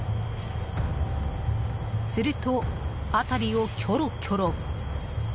すると、辺りをキョロキョロ。